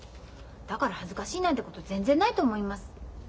だから恥ずかしいなんてこと全然ないと思います。